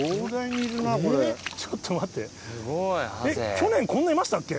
去年こんないましたっけ？